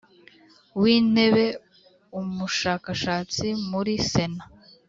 w Intebe Umushakashatsi muri Sena